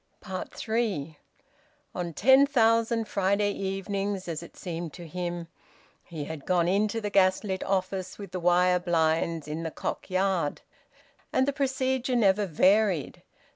THREE. On ten thousand Friday evenings, as it seemed to him, he had gone into the gas lit office with the wire blinds, in the Cock Yard. And the procedure never varied.